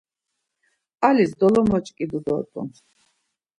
Alis dolomoç̌ǩidu dort̆un.